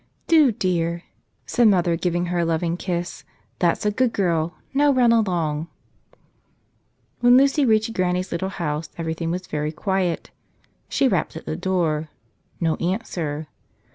"Do, dear," said mother, giving her a loving kiss. "That's a good girl. Now run along." When Lucy reached Granny's little house everything was very quiet. She rapped at the door. No answer.